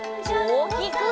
おおきく！